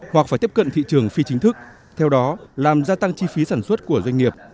hoặc phải tiếp cận thị trường phi chính thức theo đó làm gia tăng chi phí sản xuất của doanh nghiệp